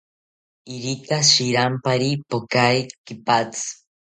Irika shirampari pokae kipatzi